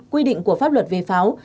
quy định của pháp luật về pháo